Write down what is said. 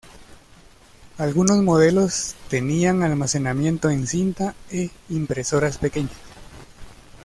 Algunos modelos tenían almacenamiento en cinta e impresoras pequeñas.